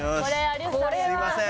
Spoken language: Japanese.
よしすいません